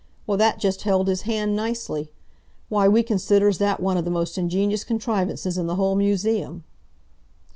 Well, that just held his hand nicely. Why, we considers that one of the most ingenious contrivances in the whole museum."